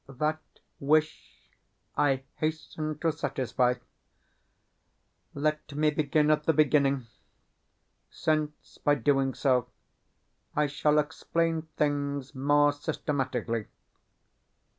That wish I hasten to satisfy. Let me begin at the beginning, since, by doing so, I shall explain things more systematically.